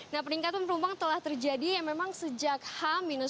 nah peningkatan penumpang telah terjadi yang memang sejak h satu